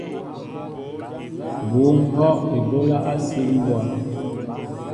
Bŭ ŋhɔʼ eɓólá á sil mbwá.